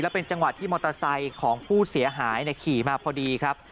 เป็นจังหวะที่มอเตอร์ไซค์ของผู้เสียหายขี่มาพอดีครับ